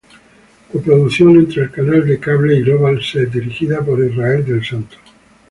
Coproducción entre el canal de Cable y Global Set dirigida por Israel del Santo.